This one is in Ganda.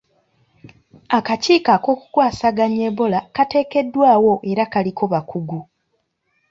Akakiiko ak'okukwasaganya ebola kateekeddwawo era kaliko bakugu.